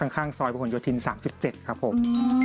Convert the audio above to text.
ข้างซอยผู้ห่วงโยธิน๓๗ครับผม